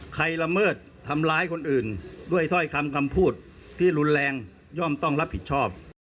ละเมิดทำร้ายคนอื่นด้วยถ้อยคำคำพูดที่รุนแรงย่อมต้องรับผิดชอบ